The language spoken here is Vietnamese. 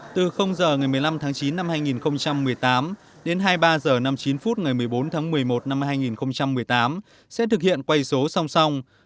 từ h ngày một mươi năm tháng chín năm hai nghìn một mươi tám đến hai mươi ba h năm mươi chín phút ngày một mươi bốn tháng một mươi một năm hai nghìn một mươi tám sẽ thực hiện quay số song song